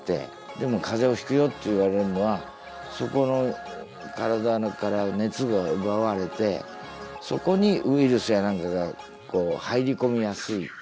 でもかぜをひくよって言われるのはそこの体から熱が奪われてそこにウイルスや何かが入り込みやすい。